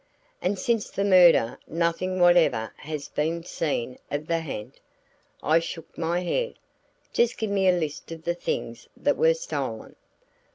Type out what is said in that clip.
"And since the murder nothing whatever has been seen of the ha'nt?" I shook my head. "Just give me a list of the things that were stolen."